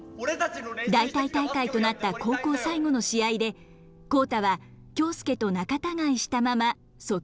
代替大会となった高校最後の試合で浩太は京介と仲たがいしたまま卒業することに。